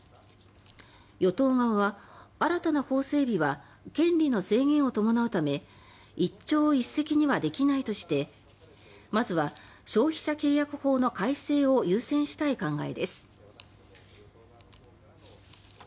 与党側は、新たな法整備は権利の制限を伴うため一朝一夕にはできないとしてまずは消費者契約法の改正を優先したい考えです。